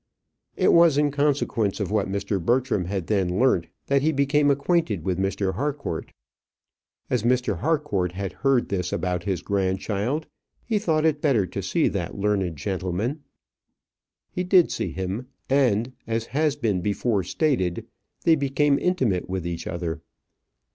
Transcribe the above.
It was in consequence of what Mr. Bertram had then learnt that he became acquainted with Mr. Harcourt. As Mr. Harcourt had heard this about his grandchild, he thought it better to see that learned gentleman. He did see him; and, as has been before stated, they became intimate with each other.